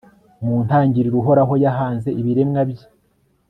mu ntangiriro, uhoraho yahanze ibiremwa bye